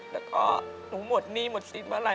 แล้วก็หนูหมดหนี้หมดศิลป์อะไร